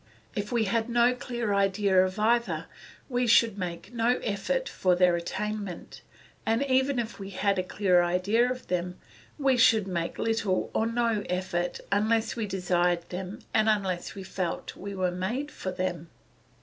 If we had no clear idea of either we should make no effort for their attainment; and even if we had a clear idea of them, we should make little or no effort unless we desired them and unless we felt we were made for them.